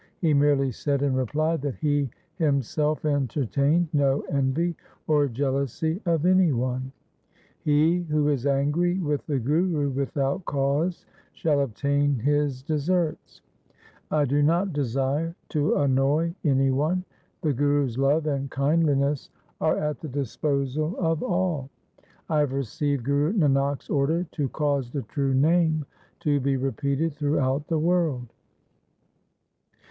He merely said in reply that he himself entertained no envy or jealousy of any one. ' He who is angry with the Guru without cause shall obtain his deserts. I do not desire to annoy any one. The Guru's love and kindliness are at the disposal of all. I have received Guru Nanak's order to cause the true Name to be repeated throughout the world.'